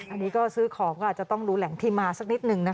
อันนี้ก็ซื้อของก็อาจจะต้องดูแหล่งที่มาสักนิดนึงนะคะ